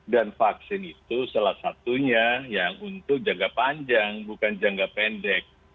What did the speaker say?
dan vaksin itu salah satunya yang untuk jangka panjang bukan jangka pendek